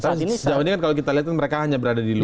kan sejauh ini kan kalau kita lihat mereka hanya berada di luar